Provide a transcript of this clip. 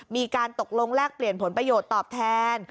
มีการตกลงแลกเปลี่ยนผลประโยชน์ตอบแทน